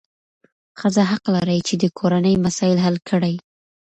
ښځه حق لري چې د کورنۍ مسایل حل کړي.